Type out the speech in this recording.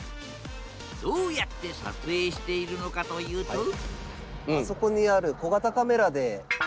どうやって撮影しているのかというとあ！